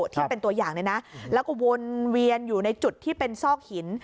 ที่เป็นตัวอย่างเลยนะแล้วก็วนเวียนอยู่ในจุดที่เป็นซอกหิน